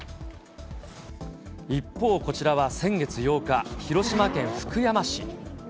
一方、こちらは先月８日、広島県福山市。